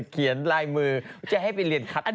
เขียนลายมือจะให้ไปเรียนคัด